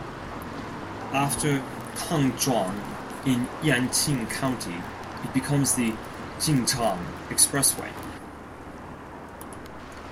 After Kangzhuang in Yanqing County, it becomes the Jingzhang Expressway.